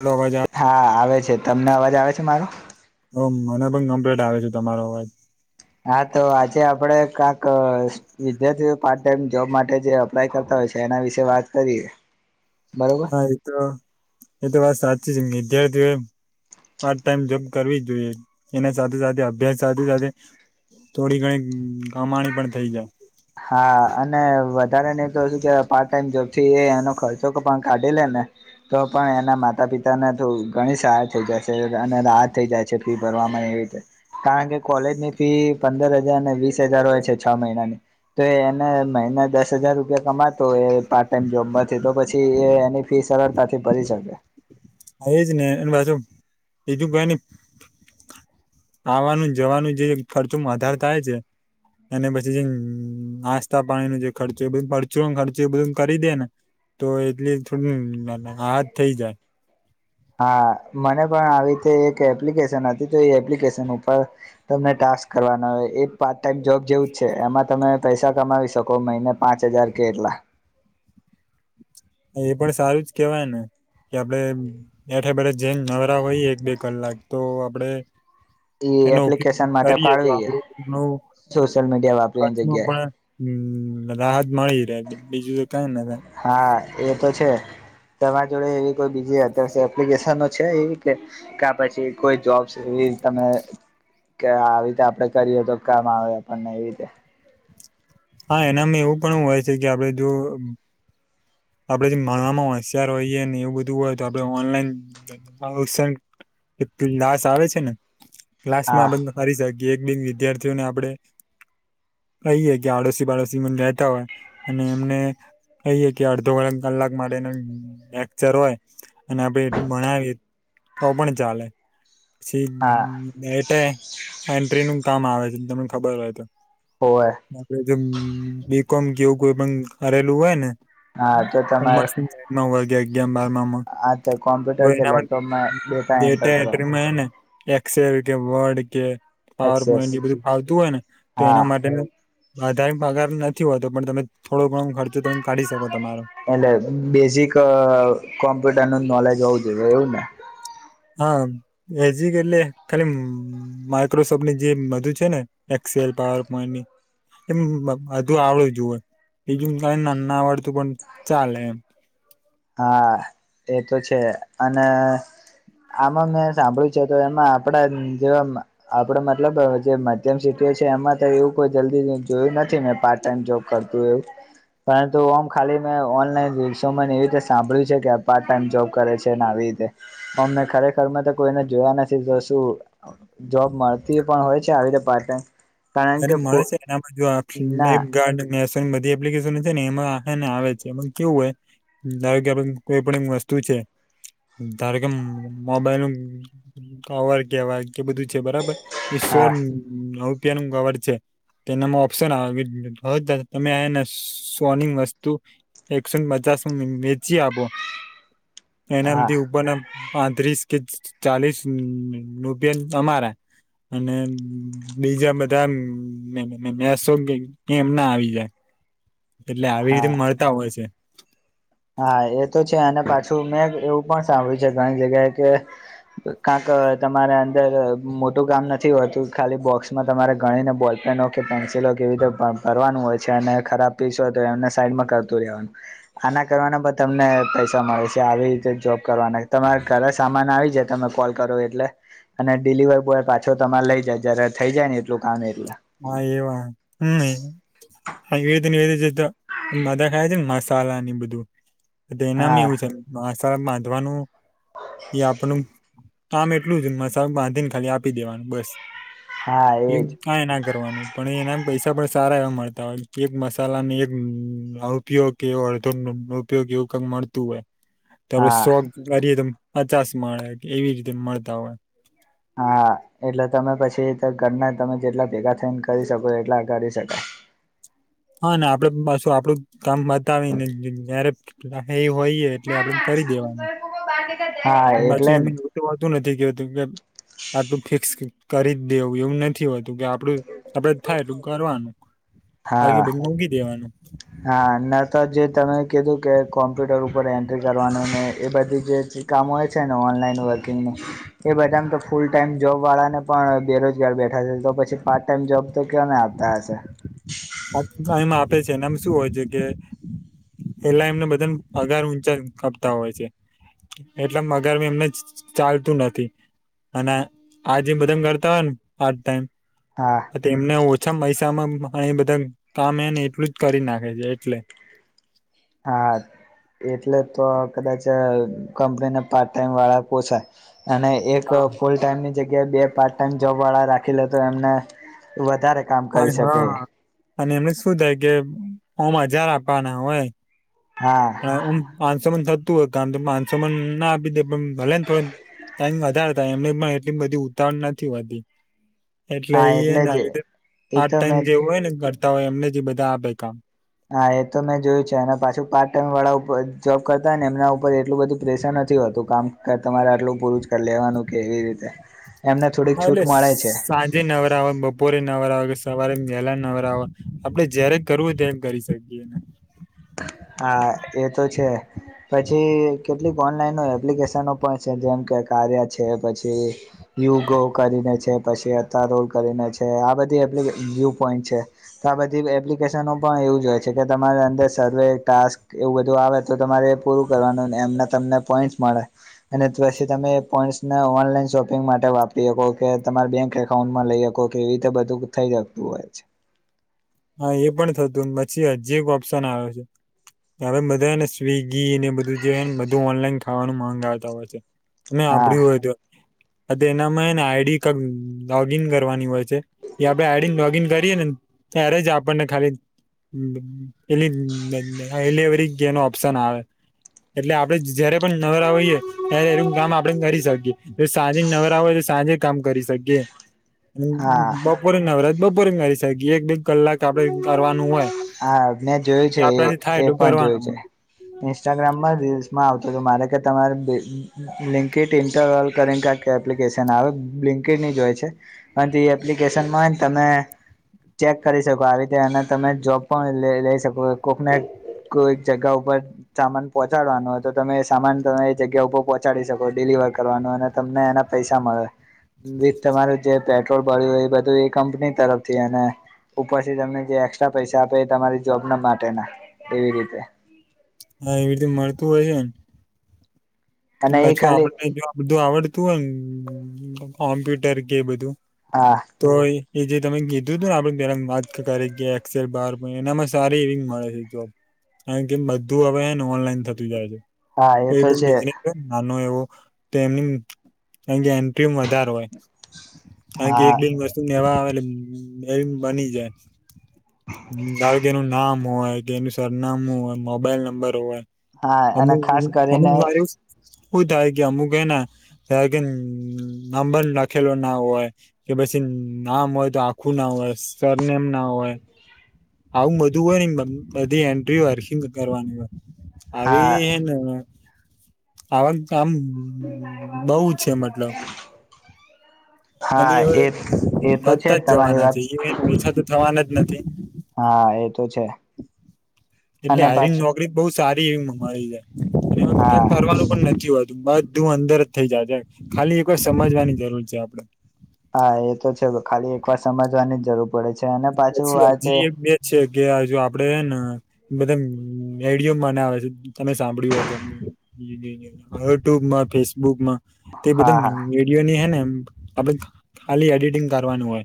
Hello અવાજ હા આવે છે તમને અવાજ આવે છે મારો હહ મને પણ કમ્પ્લીટ આવે છે તમારો અવાજ હા તો આજે આપડે કાક વિદ્યાર્થીઓ પાર્ટ ટાઈમ જોબ માટે જે અપ્લાય કરતા હોય પછે એના વિશે વાત કરીએ. બરોબર હા એતો એતો વાત સાચી છે. વિદ્યાર્થીઓએ પાર્ટ ટાઈમ જોબ કરવી જ જોઈએ. એના સાથે સાથે અભ્યાસ સાથે સાથે થોડી ઘણી કમાણી પણ થઈ જાય. હા અને થીએ એનો ખર્ચો પણ કાઢી લે ને તો પણ એના માતા પિતાને થો ઘણી સહાય થઈ જાય. છે અને રાહત થઈ જાય છે ફી ભરવામાં એવી રીતે કારણ કે કોલેજની ફી પંદર હજારને વીસ હજાર હોય છે છ મહિનાની તો એને મહિને દસ હજાર રૂપિયા કમાતો હોય પાર્ટ ટાઈમ જોબમાંથી તો પછી એ ની ફી સરળતાથી ભરી શકે. હા એજ ને અને પાછુ બીજું કાંઈ ની આવાનું ને જવાનું જે ખર્ચોમાં વધાર થાય છે અને પછી જે નાસ્થા પાણીનો જે ખર્ચો એ બધું પરચુંરણ ખર્ચો એ બધું કરી દે ને તો એટલી થોડી રાહત થઈ જાય. હા મને પણ આવી રીતે એક એપ્લિકેશન હતી તો એ એપ્લિકેશન ઉપર તમને ટાસ્ક કરવાના હોય એ પાર્ટ ટાઈમ જોબ જેવું જ છે. એમાં તમે પૈસા કમાવી શકો મહિને પાંચ હજાર કે એટલા એ પણ સારું જ કેવાય ને કે આપડે એપ બેઠે બેઠે જેમ નવરા હોઈએ એક બે કલાક તો આપણે ઈ એનો ઉપયોગ એપ્લિકેશન માટે કરીએ તો ફાળવીએ આપણું સોશિયલ મીડિયા વાપરીની ખર્ચમાં જગ્યાએ પણ રાહત મળી રે બીજું કઈ ના થાય હા એ તો છે. તમારી જોડે એવી કોઈ બીજી અધર્સ એપ્લિકેશનો છે એવી કે કા પછી કોઈ જોબસ એવી પ્લીઝ તમે કે આવી રીતે આપણેે કરીએ તો કામ આવે આપણને એ રીતે હા એનામાં એવું પણ હોય છે કે આપડે જો આપડે જે ભણવામાં હોશિયાર હોઈએ ને એવું બધું હોય તો આપણે ઓનલાઈન પ્રમોશન એ ક્લાસ આવે છે ને કલાસમાં હા આ બને હારી સાઇડ જે એક બે વિદ્યાર્થીઓને આપડે કહીએ કે આડોશી પાડોશી મને રહેતા હોય અને એમને કહીએ કે અડધો એમ કલાક માટેનો લેક્ચર હોય અને આપડે એટલું ભણાવીએ તો પણ ચાલે. પછી હા ડેટા એન્ટ્રીનું કામ આવે છે તમને ખબર હોય તો હોવે આપણે જેમ બીકોમ કે એવું કોઈ પણ કરેલું હોય ને હા તો [unintelligible] તમારે નવ વાગ્યા [unintelligible] માર મામા આ તે તો કોમ્પ્યુટર કે એનામાં લેપટોપમાં એન્ટર ડેટા કરો એટ્રીમાં હેને એક એકસેલ કે વર્ડ કે પાવર એક્સેસ પોઈન્ટ એ બધું ફાવતું હોય ને તો એના હા માટે વધારે પગાર નથી હોતો પણ તમે થોડો ઘણો ખર્ચો તમે કાઢી શકો છો. એટલે બેઝિક કોમ્પ્યુટરનું નોલેજ હોવું જોઈએ એવું ને હા બેઝિક એટલે ખાલી માઈક્રોસોફ્ટની જે બધુ છે ને એકસેલ પાવર પોઈન્ટની એમ બધુ આવડે જુએ બીજું કાંઈ ના ના આવડતું પણ ચાલે એમ હા એ તો છે અને આમાં મેં સાંભળ્યું છે તો એમાં આપણા જેવા આપણે મતલબ જે મધ્યમ સીટી છે એમાં તો એવું કોઈ જલ્દી જોયું નથી મેં પાર્ટ ટાઈમ જોબ કરતું હોય એવું પરંતુ આમ ખાલી મેં ઓનલાઈન રીલસોમાં ને એવી રીતે સાંભળ્યું છે કે પાર્ટ ટાઈમ જોબ કરે છે ને આવી રીતે પણ મેં ખરેખરમાં તો કોઈને જોયા નથી શું જોબ મળતી પણ હોય છે આવી રીતે પાર્ટ ટાઈમ કારણ અરે કે ફો મળે છે એનામાં જો આ ના ફિલ્પગાર્ડ ને એમ બધી એપ્લિકેશનો છે ને એમાં ને આવે છે એમાં કેવું હોય આવ કે આપડે કોઈ પણ એ વસ્તુ છે ધારો કે મોબાઈલ નું કવર કેવાય કે બધું છે બરાબર એ સો હા રૂપિયાનું કવડ છે તેનામાં ઓપ્શન આવી તમે આને સોની વસ્તુ એકસોને પચા વેચી આપો હા એનામથી ઉપરના પાંત્રીસ કે ચાલીસ રૂપિયા તમારા અને બીજા બધા મેશો કે એમ ના આવી જાય એટલે આવી રીતે હા મળતા હોય છે હા એ તો છે અને પાછું મેં એવું પણ સાંભળ્યું છે ઘણી જગ્યાએ કે કંક તમારે અંદર મોટું કામ નથી હોતું ખાલી બોક્સમાં તમારે ગણીને બોલ પેન્સિલો કેવી રીતે ભરવાનું હોય છે અને ખરાબ પીસ હોય તો એમને સાઈડમાં કરતું રહેેવાનું આના કરવાના તમને પૈસા મળે છે, આવી રીતે જોબ કરવાના તમારે ઘરે સામાન આવી જાય તમે કોલ ક રો એટલે અને ડિલિવર બોય પાછો તમારે લઈ જાય જયારે થઈ જાય ને એટલું કામ એટલે હા એવા હમ હા એ તો [unintelligible] મધા ખાય છે ને મસાલાની બધું અધ હા એનામી એવું છે આસ બાંધવાનું એ આપણું કામ એટલું જ મસાલ બાંધી ને ખાલી આપી દેવાનું બસ હા એજ કાઈ ના પણ એના પૈસા પણ સારા એવા મળતા હોય એક મસાલાને એક ઉપયોગ કેવો અડધો ઉપયોગ એવો મળતું હોય તો આપડે હા સો કરીએ તો પચાસ મળે એવી રીતે મળતા હોય હા એટલે તમે પછી ઘરના તમે જેટલા ભેગા થઈને કરી શકો એટલા કરી શકાય [unintelligible] હા ને આપડે પાશુ આપડું કામ બતાવી ને જયારે હોઈએ એટલે ના આપડે કરી ના દેવાનું ઉપર બહાર નીકળ્યા હા એટલે માછી જ એમને એવું તેવુ હતું ને તે કે કે આટલું ફિક્સ કરી જ દેવું એવું નથી હો તુ કે આપડું આપડે થાય એટલું કરવાનું બાકી હા બધું મૂકી દેવાનું હા ન તો જે તમે કીધું કે કોમ્પ્યુટર ઉપર એન્ટ્રી કરવાનું ને એ બધી જે કામો હોય છે, ને ઓનલાઈન વ ર્કિંગનું એ બધામાં તો ફુલ ટાઈમ જોબ વાળા ને પણ બેરોજગાર બેઠા તો પછી પાર્ટ ટાઈમ જોબ તો કેવાને આવતા શે ટાઈમ આપે છે એ ને આમ શું હોય છે કે એટલા એમને બધાને પગાર ઊંચા આપતા હોય છે. એટલે મગર બી એમને જ ચાલતું નથી અને આજે બધા કરતા હોય ને પાટ ટાઈમ હા એમને ઓછા પૈસામાં બધ કામ એ ને એટલું જ કરી નાખે છે, એટલે હા, એટલે તો કદાચ કંપનીને પાર્ટ ટાઈમ વાળા પોસાય અને એક ફૂલ ટાઈમની જગ યા બે પાર્ટ ટાઈમ જોબ વાળા રાખી લે તો એમને વધારે કામ કરી શકે હા અને એમને શું થાય કે ઓમ હજાર આપવાના હોય હા હ પાંચસોમા થતું હોય કામ ત પાંચસોમા ના આપી દે પણ ભલે ને થોડ ટાઈમ વધારે થાય એમને પણ એટલી બધી ઉતાવળ નથી હોતી એટલે હા એ હેને જ આવી રીતે એ પાટ તો ટાઈમ મેં જે હોય ને કરતા હોય એમને જ બધા આપે કામ હા એ તો મેં જોયું છે, અને પાછું પાર્ટ ટાઈમ વાળાર જોબ કરતા ને એમના ઉપર એટલું બધું પ્રેશર નથી હોતું કામ તમારે આટલું પૂરું જ કરી લેવાનું કેવી રીતે એમને થોડીક હા, એટલે છૂટ મળે છે સાંજે નવરા હોય, બપોરે નવરા હોય, સવારે વેલા નવરા હોય આપડે જયારે કરવું હોય ત્યારે કરી શકીએ હા એ તો છે. પછી કેટલીક ઓનલાઈનો એપ્લિકેશનો પણ છે, જેમ કે કાર્યા છે પછી યોગો કરીને છે, પછી અતા રોલ કરીને છે, આ બધી એપ્લિ વયુ પોઈન્ટ છે. આ બધી એપ્લિકેશનો પણ એવું જ હોય છે, કે તમારી અંદર સર્વે ટાસ્ક એવું બધું આવે તો તમારે પૂરું કરવાનું એમના તમને પોઈન્ટ મળે અને પછી તમે એ પોઈન્ટસને ઓનલાઈન શોપિંગ માટે વાપરી હકો કે તમારા બેંક એકાઉન્ટમાં લઈ શકો કેવી રીતે બધું થઈ જતું હોય છે. હા એ પણ થતું પછી હજી એક ઓપ્શન આવે છે. હવે બધાને સ્વિગી ને બધું જે હેને બધું ઓનલાઈન ખાવાનું માંગ આવતા હોય છે. ને હા આપળી હોય તો એનામાં હેને આઈડી ક લોગ ઈન કરવાની હોય છે, આપણે આઈડી લોગ ઈન કરીએે ને ત્યારે જ આપણને ખાલી હ એલી એલીવરીગનો ઓપશન આવે એટલે આપડે જયારે પણ નવરઈયએ ત્યારે એનું કામ આપડે કરી શકીએ સાંજ નવરય સાંજે કામ કરી શએ હા બપોરે નવરાજ બપોરે કરી શ એક બે કલાક આપડે કરવાનું હોય. હા મેં જોયું છે એ આપણાથી થાય એ એટલું પણ કરવાનું જોયું છે હોય. ઇન્સ્ટાગ્રામમાં રીલ્સમાં આવ મારે તમારે લિડ ઇન્ટરલ કરી ક એપ્લિકેશન આવે. ્િકેશનમાં તમે ચેક કરી શકો આવી રીતે એના તમે જોબ પણ લઈ શકો કોકને કોઈક જગ ઉપર સામાન પહંચાડવાનું હોય તો તમે સામાન તમે એ જગ્યા ઉપર પહોંચાડી શકો ડેલી કરવાનું અને તમને એના પૈસા મળે વિથ તમારું જે પેટ્રોલ ભર્યુંય એ બધું એ કંપની તરફથી ઉપરથી તમને જે એકસ્ટ્રા પૈસા આપે એ તમારી જોબ ના માટે ના એવી રીતે હા એવી રીતે મળતું હોય છે ને અને એ છું ખાલી આપડને જો બધું આવડતું હોય ને કોમ્પ્યુટર કે બધું હા [inaudible] એ જે તમે કીધું હતું ને આપડે પેલા માતક કે એસેલ બાર એનામાં સારી એવી મળે છે જોબ કારણ કેમ બધું હવે એને ઓનલાઈન થતું જાય છે. હા એ કોઈ તો પણ છે. બિઝનેસ હોય ને નાનો એવો તો એમ એન્ટ્રી વધારે હોય કાર કે એક હા બેન વસ્ને એવા આવે એટલે એવી બની જાય હ તાર કે એનું નામ હોય કે એનું સરનામું હોય મોબાઈલ નંબર હોય હા અને અમુક ખાસ અમુક કરીને મા હું થાય કે અમુક ને ત્યારે કે નાંબર લખેલો ના હોય કે પી પછી નામ હોય તો આખું ના હોય સરનેમ ના હોય.. આવું બધું હોય ને બધી એન્ટ્રી હોય હર્ખિંગ કરવાની હોય. આવી હા હે ને આવા આમ બઉુ છે મતલબ અને એ એ તો છે વધતા જ તમારી જવાના છે વાત એ ઓછા તો થવાના જ નથી હા એ તો છે. એટલે અને હરિંગ પાછું નોકરી બહ સારી એવી મળી જાય એમાં હા કક કરવાનું પણ નથી હોત બધું અંદર જ થઇ જજ ખાલી એક વાર સમજવાની જરૂર છે આપડે. હા એ તો છે ખાલી એક વાર સમજવાની જ જરૂર પડે છે અને પાછું પછી વાત એ. હજી એક બે છે કે જો આપડે ને બધા આઈડયો મને આવે છે તમે સાંભળ્યું હોય તો યુટ્યુબમાં ફેસબુકમાં તે બધા હા હા રેડયો ની હે ને. આપ ખાલી એડિટિંગ કરવાનું હોય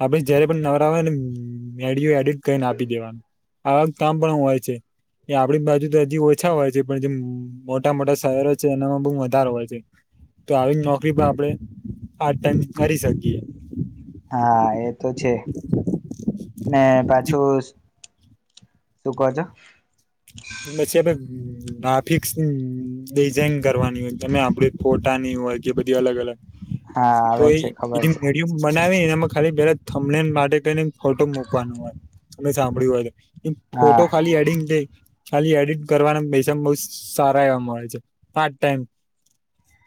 આપે જારે. નવરા હો નેઓઘડિયો એડિટ કરીને આપી દેવાનું આવા કામ પણ હોય છે. એ આપણી બાજુ તો હજી ઓછા હોય છે પણ જે મોટા મોટા શહેરો છે એનામાં બહ વધારો હોય છે. તો આવી નોકરી પણ આપણે આ ટાઈમ કરી શકીએ. હા એ તો છે. ને પાછું [unintelligible] પછી આપ ગ્રાફિક્સ ડિઝાઇન કરવાની હોય તમે આપડી ફોટાની હોય કે બધી અલગ અલગ હા તો આવે એ છે ખબર છે [unintelligible] બનાવે ખાલી પેલામને માટે કઈને ફોટો મૂકવાનું હોય તમને સાંભળ્યું હોય. ફોટો હા ખાલી અડિંગ દઈ ખાલી એડિટ કરવાના પૈસામાં બહ સારા એવા મળે છે. પાર્ટ ટાઈમ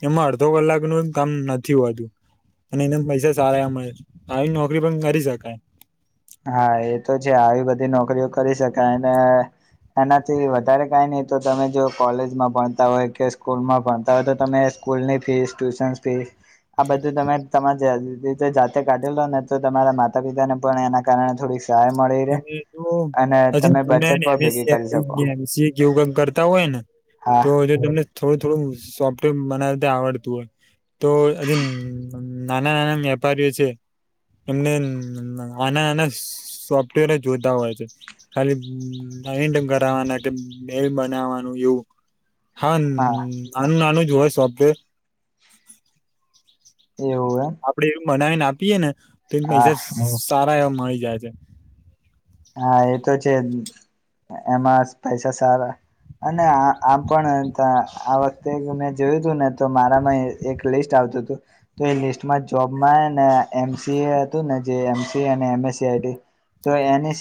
એમાં અડધો કલાકનું કામ નથી હોતું. અને એના પૈસા સારા મળે આવી નોકરી પણ કરી શકાય. હા એ તો છે. આવી બધી નોકરીઓ કરી શકાયને એનાથી વધારે કઈ નહી તો તમે જો કોલેજમાં ભણતા હોય કે સ્કૂલમાં ભણતા હોય તો તમે સ્કૂલની ફીસ, ટ્યુશન ફીસ, આ બધું તમે તમા જાતે કાઢેલો ને તો તમારા માતા પિતાને પણ એના કારણે થોડી તમે બચત પણ ભેગી કરી શકો અનેવું [unintelligible] કરતા હોયને હા તો જો તમને થોડું થોડું સોફ્ટવેર બનાવતા આવડતું હોય. તો અધ નાના નાના વેપારીઓ છે એમને નાના નાના સોફ જોતા હોય છે ખાલી લ કરવાના કે મેલ બનાવવાનું એવું હા આનું નાનું જ હોય સોફ્ટવેર. એવું એમ આપડે એવું બનાવીને આપીએે ને તો એ હા પૈસા સારા એવા મળી જાય છે. હા એ તો છે એમાં પૈસા સારા અને આમ પણ આ વખતે મેં જોયું હતું ને તો મારામાં એક લિસ્ટ આવતું હતું તો એ લિસ્ટમાં જોબમાં એને એમસી એ હતું ને જે એમએસ સી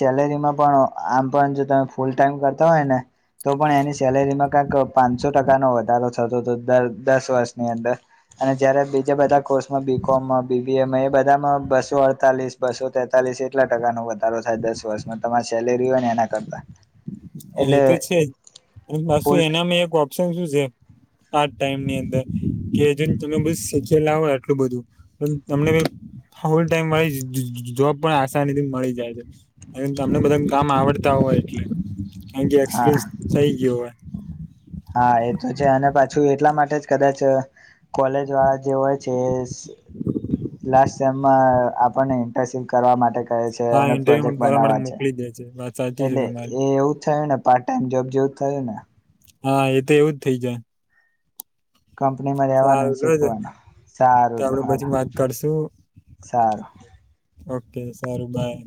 [unintelligible] એ એ સેલેરીમાં પણ આમ પણ જો તમે ફૂલ ટાઈમ કરતા હોય ને તો પણ એની સેલેરીમાં કંઈક પાંચસો ટકાનો વધારો થતો હતો દસ વર્ષની અંદર. અને જયારે બીજા બધા કોર્સમાં બી કોમમાં, બીબી એમાં એ બધામાં બસો અડતાલીસ, બસો તેતાલીસ એટલા ટકા નો વધારો થાય દસ વર્ષમાં તમારી સેલેરી હોય ને એના કરતા. હ એ એટલે તો છે. ફૂલ [unintelligible] એનામાં એક ઓપ્શન શું છે. આ ટાઈમની અંદર કેજ તમે શીખેલા હો આટલું બધું તમને હોલ ટાઈમ મળી જોબ પણ આસાની થી મળી જાય છે. અને તમને બધા કામ આવડતા હોય એટલે હા એક્સપિરયન્સ થઈ ગયો હોય. હા એ તો છે અને પાછું એટલા માટે જ કદાચ કોલેજ વાળા જે હોય છે. એ લાસ્ટ સેમમાં આપને ઇન્ટર્નશીપ કરવા માટે કહે છે. હા ઇન્ટરવ્યુ પ્રોજેક્ટ કરવા માટે બનાવા છે. મોકલી દે વાત સાચી છે એટલે તમારી એ એવું થય ને પાર્ટ ટાઈમ જોબ જેવું થયું ને. હા એ તો એવું જ થઇ જાય. કંપની માં રેવાનું સારું લો શીખવાનું. સારું તો આપડે હ પછી વાત કરશું સાલ ઓ સારું બાઈ.